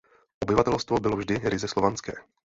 Obyvatelstvo bylo vždy ryze slovanské.